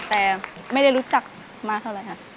แต่ไม่ได้รู้จักมากเท่าไหร่ค่ะ